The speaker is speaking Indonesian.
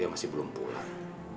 masih belum pulang